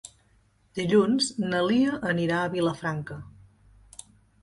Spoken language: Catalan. Dilluns na Lia anirà a Vilafranca.